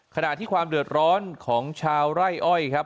ขณะที่ความเดือดร้อนของชาวไร่อ้อยครับ